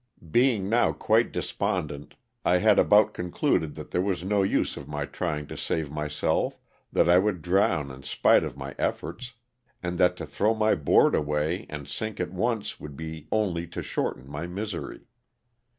Being now quite despondent, I had about concluded that there was no use of my trying to save myself, that I would drown in spite of my efforts ; and that to throw my board away and sink at once would be only to shorten my misery.